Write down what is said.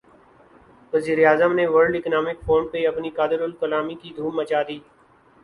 وزیر اعظم نے ورلڈ اکنامک فورم پہ اپنی قادرالکلامی کی دھوم مچا دی۔